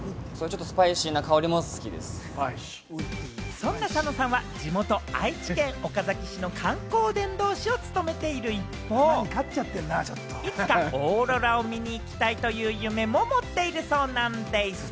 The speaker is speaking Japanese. そんな佐野さんは地元・愛知県岡崎市の観光伝道師を務めている一方、いつかオーロラを見に行きたいという夢も持っているそうなんでぃす。